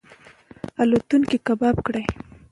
الوتکې یې کباړ کړې.